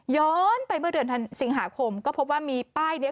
ย้อนไปเมื่อเดือนสิงหาคมก็พบว่ามีป้ายนี้